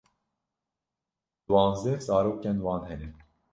Diwanzdeh zarokên wan hene.